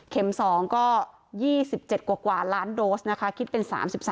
๒ก็๒๗กว่าล้านโดสนะคะคิดเป็น๓๓